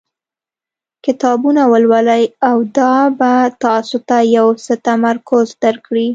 کتابونه ولولئ او دا به تاسو ته یو څه تمرکز درکړي.